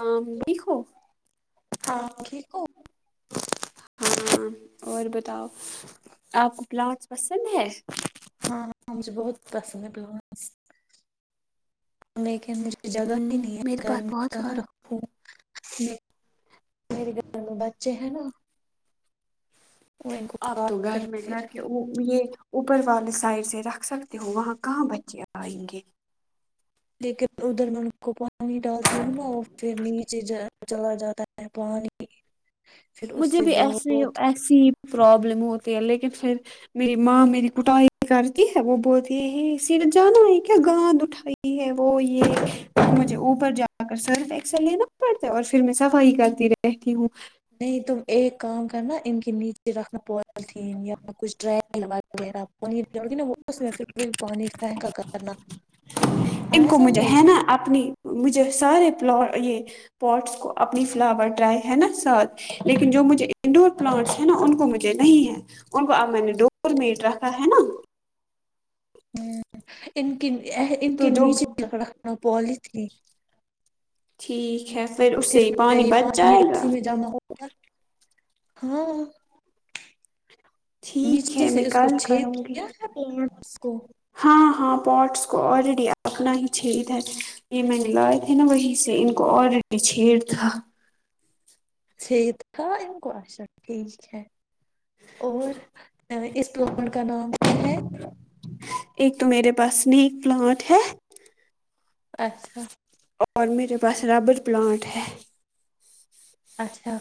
ہاں آپ ٹھیک ہوں ہاں ٹھیک ہو ہاں اور بتاؤ آپ کو پلانٹس پسند ہے ہاں ہاں مجھے بہت پسند ہے پلانٹس لیکن مجھے جگہ ہی ہوں نہیں میرے ہے پاس گھر میں بہت کہاں سارے ر میرے گھر میں بچے ہے نا وہ ان کو اب تو کاٹتے گھر ہیں میں پھر گھر کے وہ یہ اوپر والے سائڈ سے رکھ سکتے ہو وہاں کہاں بچے آئیں گے لیکن ادھر میں ان کو پہنچ پانی ڈالتی ہوں نا پھر نیچےجہ چلا جاتا ہے پانی پھر اس مجھے سے بھی ایسیے بہت ایسی ہی پرابلم ہوتی ہے لیکن پھر میری ماں میری کٹائی کرتی ہے وہ بولتی ہ سیدھا جانا یہ کیا گند اٹھائی وہ یہ مجھے اوپر جا کر سرف ایکسل لینا پڑتا اور پھر میں صفائی کرتی رہتی ہوں نہیں تم ایک کام کرنا ان کے نیچے رکھنا آلود وغیرہ پونر دیوگی نا واپس رسیول پانی ڈینکا کرنا ان آیا کو مجھے سمجھ ہے نا اپنی مجھے سارے پوٹس کو اپنی فلاور ٹائی ہے نا ساتھ لیکن جو مجھے انڈور پلانٹس ہے نا ان کو مجھے نہیں ہے ان کو اب میں نے ڈور مٹ رکھا ہے نا ہوں ان کی ہ ان تو کے جو نیچے رکھنا پولی تھیں ٹھیک ہے پھر اسی پانی وہی بچ جائے گا اسی میں جمع ہاں ٹھیک نیچے ہے میں سے اس کو کل کروں چھید گی کیا تھا پوٹس کو ہاں ہاں پوٹس کو آلریڈی اپنا ہی چھید ہے یہ میں نے لائے تھے نا وہیں سے ان کو آلریڈی چھید تھا چھید تھا ان کو اچھا ٹھیک ہے اور اس فلور کا نام کیا ہے ایک تو میرے پاس سنیک پلانٹ ہے اچھا اور میرے پاس ربر پلانٹ ہے اچھا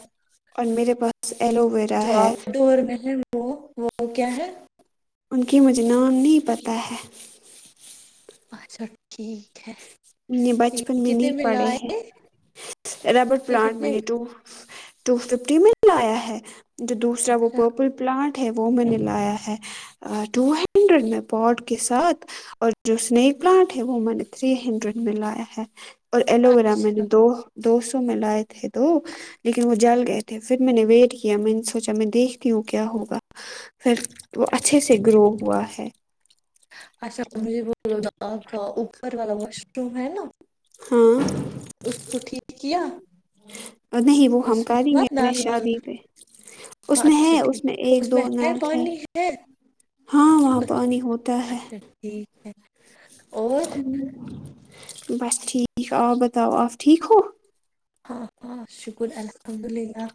اور میرے پاس ایلو ویرا جو ہے آؤٹ ڈور میں ہے وہ وہ کیا ہے ان کی مجھے نام نہیں پتہ ہے اچھا ٹھیک ہے میں نے کتنےمیں لاے یہ ربرٹ یہ پلانٹ میں کتنے نےتو ٹو ففٹی میں لایا ہے جو دوسرا وہ اچھا پرپل پلانٹ ہے وہ میں نے لایا ہے ٹو ہنڈریڈ میں پوٹ کے ساتھ اور جو اسنیک پلانٹ ہے وہ میں نے تھری ہنڈریڈ میں لایا ہے اور ایلو ویرا میں نے اچھا دو دو سو میں لائے تھے دو لیکن وہ جل گئے تھے پھر میں نے ویٹ کیا میں نے سوچا میں دیکھتی ہوں کیا ہوگا پھر وہ اچھے سے گرو ہوا ہے اچھا مجھے [unintelligible] اوپر والا واش روم ہے نا ہاں اس کو ٹھیک کیا اب نہیں وہ ہم اس میں کریں گے مت اپنے نال وال شادی پہ اس میں ہے اس میں ایک دو نل ہے ہاں وہاں اس- پانی ہوتا ہے اچھا ٹھیک ہے اور بس ٹھیک آپ بتاؤ آپ ٹھیک ہو ہاں ہاں شکر الحمد للہ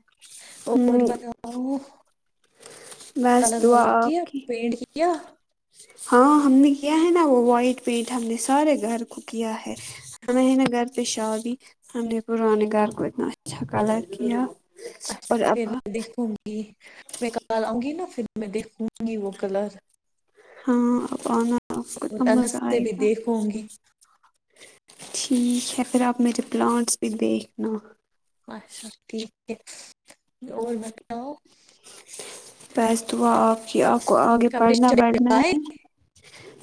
اور ہ بتاو ا ہ بس کلر دعا ولر کیا آپ کی پینٹ کیا ہاں ہم نے کیا ہے نا وہ وائٹ پینٹ ہم نے سارے گھر کو کیا ہے اب ہے نہ گھر پہ شا دی ہم نے پرانے گھر کو اتنا اچھا کلر کیا اچھا اور پھر اب میں دیکھوں گی میں کال آؤں گی نا پھر میں دیکھوں گی وہ کلر ہاں اب آنا کتنا اور اندر مزہ سے آئے بھی گا دیکھوں گی ٹھیک ہے پھر آپ میںری پلانٹس بھی دیکھنا اچھا ٹھیک ہے اور بتاؤ بس دعا آپ کی آپ کو آگے کپڑے بڑھنا شپڑے بڑھنا لائے ہے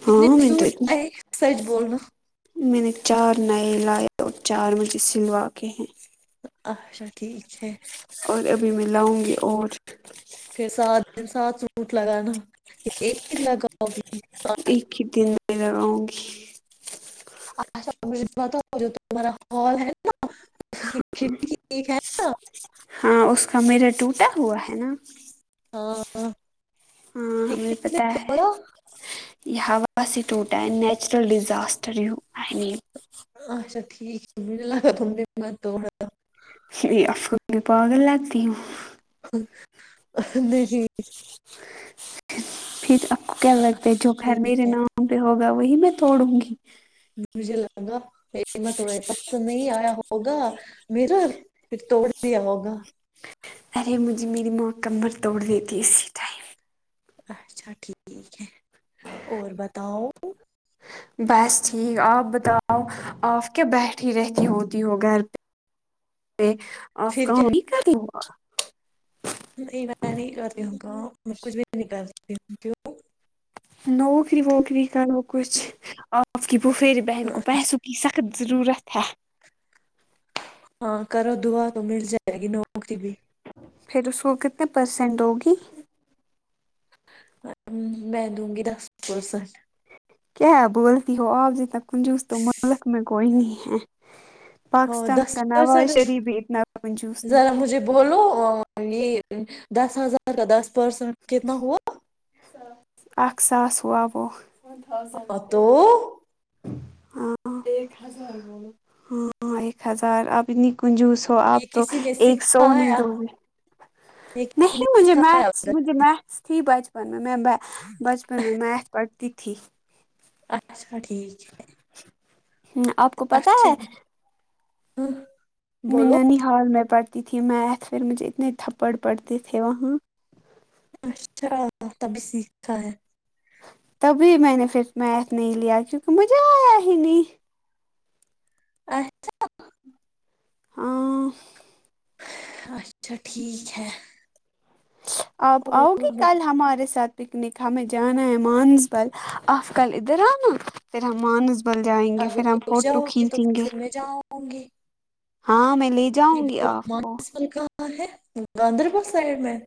کتنے ہاں میں تو سوٹ [unintelligible] سچ بولنا میں نے چار نئے لائے اور چار مجھے سلوا کے ہیں اچھا ٹھیک ہے اور ابھی میں لاؤں گی اور پھر سات دن سات سوٹ لگانا ایک کتنا لگاؤ گی ایک ہی دن میں لگاؤں گی اچھا مجھے بتا جو تمہارا ہال ہے نا [unintelligible] ہاں اس کا میرور ٹوٹا ہوا ہے نا ہاں ہاں ٹھیک ہے ہمیں اس نے پتا ہے توڑا یہ ہوا یہ ٹوٹا نیچرل ڈیزاسٹر ہو اچا ٹھیک ہے مجھے لگا [unintelligible] یہ [unintelligible] میں پاگل لگتی ہوں نہیں پھر آپ کو کیا لگتا ہے اچھا جو گھر میرے ٹھیک ہے نام پہ ہوگا وہی میں توڑوں گی مجھے لگا [unintelligible] تمہیں پسند نہیں آیا ہوگا میرر پھر توڑ دیا ہوگا ارے مجھے میری ماں کمر توڑ دیتی اسی ٹائم اچھا ٹھیک ہے اور بتاؤ بس ٹھیک آپ بتاؤ آپ کیا بیٹھی رہتی ہوتی ہو گھر پہ فے آپ پھر کام کیا نیکری نہیں میں نہیں کرتی ہو کام میں کچھ بھی نہیں کرتی ہوں نوکری ووکری کرو کچھ آپ کی فوفری بہن کو پیسوں کی سخت ضرورت ہے ہاں کرو دعا تو مل جائے گی نوکری بھی پھر اس کو کتنی پرسینٹ ہوگی میں دوں گی دس پرسنٹ کیا ہے بولتی ہو آپ جتنا کنجوس تو ملک میں کوئی نہیں ہے ہاں پاکستان دس کا نواز پرسنٹ شریف بھی اتنا منجوس ذرا نہیں ہے مجھے بولو یہ دس ہزار کا دس پرسینٹ کتنا ہوا ا ساس ہوا وہ تو ہاں ایک ہزار ہاں ایک ہزار اب اتنی کنجوس تو آپ یہ تو کسی نے ایک سو نہیں سکھایا دو گے یہ کسی نے نہیں مجھے م سکھایا مجھے متس تھی بچپن میں میں بچپن متھ پڑھتی تھی اچھا ٹھیک ہے آپ کو پتہ ہے اچا ہ منانی ہال میں پڑھتی تھی میتھ پھر مجھے اتنے تھپڑ پڑھتے تھے وہاں اچھا تبھی سیکھ خا ہے تبھی میں نے پھر میتھ نہیں لیا کیونکہ مجھے آیا ہی نہیں اچھا ہاں اچھا ٹھیک ہے آپ اور آؤ گی کل ہمارے ساتھ پکنک ہمیں جانا ہے مانسبل آف کل ادھر آنا پھر ہم مانسبل بل جائیں گے اگر پھر ہم لے فوٹو جاؤ تو کھینچیں گے پھر میں جاؤں گی ہاں میں لے بھی جاؤں گی بولو، آپ کو مانسبل ہے گاندربل سائڈ میں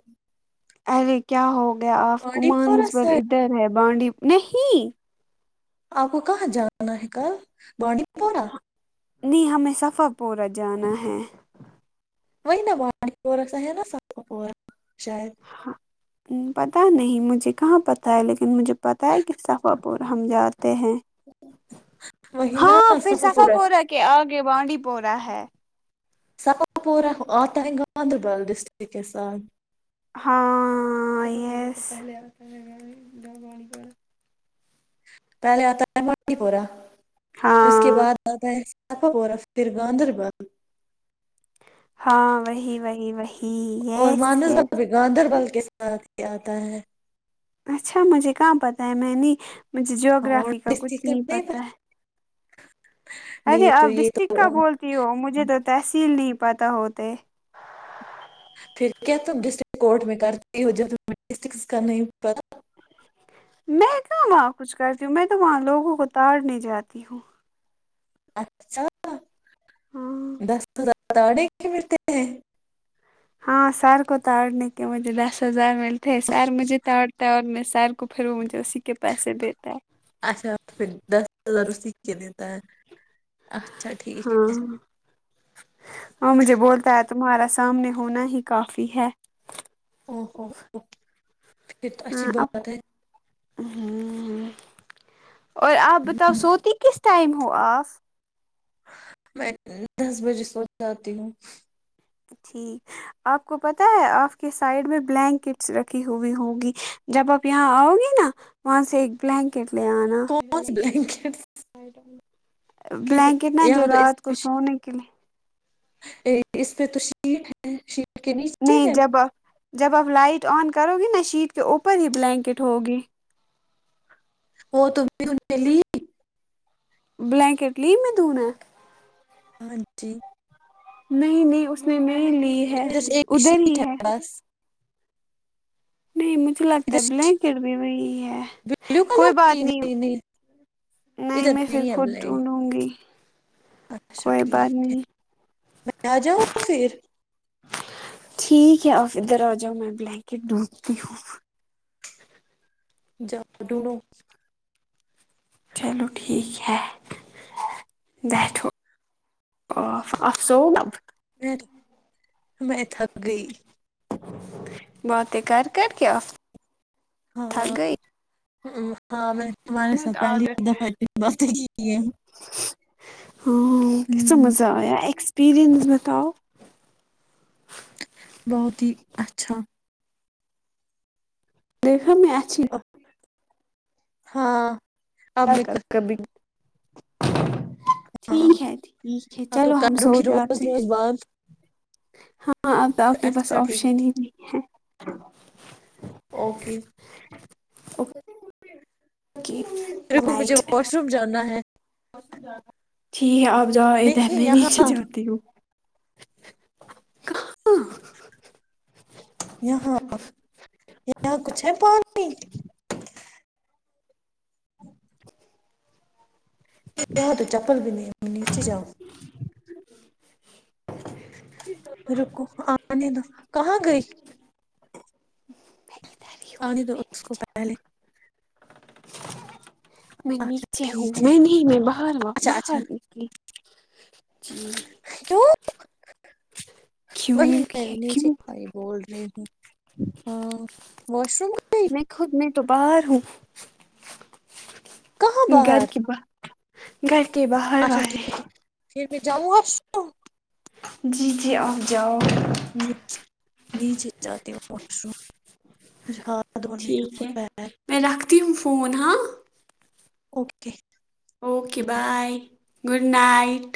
ارے کیا ہو گیا آپ کو بانڈی پورہ مانسبل سائڈ ادھر ہے بانڈی نہیں آپ کو کہاں جانا ہے کل بانڈی پورہ نہیں ہمیں صفر پورا جانا ہے وہاں نہ وہ پورسا ہے نا سب کو پورشید ہاں پتہ نہیں مجھے کہاں پتہ ہے لیکن مجھے پتہ ہے کہ صفح پور ہم جاتے ہیں ہاں پھر صفا پورہ کے آگے بانڈی پورہ ہے سفا پورہ آتا ہے گاندربل ڈسٹک کے کے ساتھ ہاں یس پہلے آتا ہے مانی پورا اور اس کے ہاں بعد آتا ہے صفا پورا پھر گاندربل ہاں وہی وہی وہی اور یس یس مانسبل بھی گاندربل کے ساتھ ہی آتا ہے اچھا مجھے کہاں پتاہ ہے میں نے مجھے اور جیوگرافی کا کچھ نہیں ڈسٹرکٹ پتا ہے پتہ ارے نہیں تو آپ یہ ڈسٹرک کا تو بولتی ہو مجھے تو تحصیل نہیں پتہ ہوتے پھر کیا تم ڈسٹرک کورٹ میں کرتے ہو جب ڈسٹرکٹ کا نہیں پتا میں کہماں کچھ کرتی ہوں میں تو وہاں لوگوں کو تاڑنے جاتی ہوں اچھا ہاں دس ملتے ہیں [unintelligible] ہاں سر کو توڑنے کے مجھے دس ہزار ملتے سر مجھے توڑتا اور میں سر تو پھر وہ مجھے اسی کے پیسے دیتا ہے اچھا پھر دس ہزار اسی کے دیتا ہے اچھا ٹھیک ہاں ہاں مجھے بولتا ہے تمہارا سامنے ہونا ہی کافی ہے اوو او پھر تو اچھی بات ہے ہ اور آپ بتاؤ سوتی کس ٹائم ہو آپ میں دس بجے سو جاتی ہوں [inaudible] آپ کو پتا ہے آپ کے سائڈ میں بلینکٹس رکھی ہوئی ہوگی جب آپ یہاں آؤ گی نا وہاں سے ایک بلینکٹ لے آنا کون سی بلینکٹ بلینکٹ نا جو یہاں تو اس رات کو پہ سونے کے لیے اس پے تو شیٹ ہے شیٹ کے نیچے نہیں ہے جب آپ جب آپ لائٹ آن کرو گی نہا شیٹ کے اوپر ہی بلینکٹ ہوگی [unintelligible] بلینکٹ لی میں دونے ہاں جی نہیں نہیں اس نے نہیں لی ہے ایک ادھر ہی شیٹ ہے بس نہیں مجھے لگتا ہے ادھر بلینکٹ بھی وہی ہے بلو کلر کوئی بات کی نہیں نہیں ادھر میں پھر ہے خود بلینک ڈونڈوں گی اچھا کوئی ٹھیک بات ہے نہیں میں آ جاؤں پھر ٹھیک ہے آپ ادھر آ جاؤ میں بلینکٹ ڈھونڈتی ہوں جو دھنوں چلو ٹھیک ہے بیٹھو [unintelligible] اور میں میں تھک گئی باتیں کر کر کیا تھک گئی ہ ہاں میں تمہارے مت ساتھ پہلی عادت ہے دفعہ اتنی باتے کی ہے ہاں کیسا مزہ آیا ایکسپیرینس بتاؤ بہت ہی اچھا دیکھا میں آج ہاں اب میں کر- [unintelligible] ہاں ٹھیک ہے ٹھیک ہے ہاں تو چلو ہم کروں سو گی روز جاتے ہیں روز بات ہاں اب تو آپ کے پاس اچھا ٹھیک آپشن ہی نہیں ہے اوکے اوکے نائٹ کج [inaudible] ر جانا ہے ٹھیک ہے آپ جا ادھر نہیں میں نیچے یہاں جاتی ہوں [unintelligible] کہاں یہاں یہاں کچھ ہے پانی [unintelligible] ب تو چپل بھی نہیں نیچے جاؤ [inaudible] رکو آنے دو کہاں گئی میں ادھر ہی آانی دو اس کو ہوں پہلے [unintelligible] میں اچھا نیچے ہوں ٹھیک ہے میں نہیں میں بہار اچھا اچھا بہار نکلی جی کیوں کیوں وہی میں نیچے کیوں بھائی بول رہی ہوں ہاں واش روم گئی میں خود میں تو باہر ہوں کہاں گھر باہر کی بات گھر کے باہر اچھا ٹھیک ہے پھر بھی جاموں آپ جی جی آپ جاؤ نیچے جاتے واشروم ٹھیک ہے میں رکھتی ہوں فون ہاں okay okay bye good night